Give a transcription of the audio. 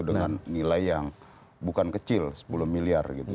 dengan nilai yang bukan kecil sepuluh miliar gitu